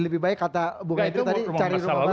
lebih baik kata bu miftah tadi cari rumah baru